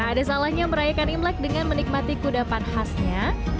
ada salahnya merayakan imlek dengan menikmati kudapan khasnya